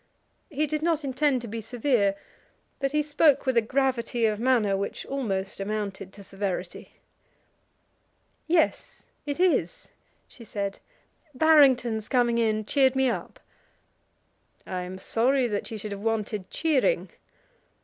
He did not intend to be severe, but he spoke with a gravity of manner which almost amounted to severity. "Yes; it is," she said, "Barrington's coming in cheered me up." "I am sorry that you should have wanted cheering."